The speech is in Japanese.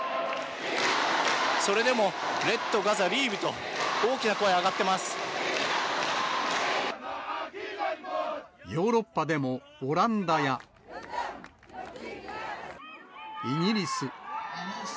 それでもレット・ガザ・リブと、ヨーロッパでもオランダや、イギリス。